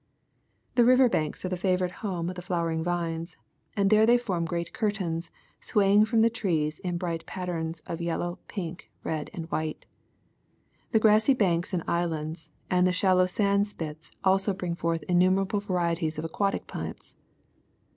The river banks are the favorite home of the flowering vines, and there they form great curtains swaying from the trees in bright patterns of yellow, j)ink, red and white. The grassy banks and islands, and the shallow sand spits also bring forth innumerable varieties of aquatic plants.